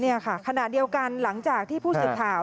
นี่ค่ะขณะเดียวกันหลังจากที่ผู้สื่อข่าว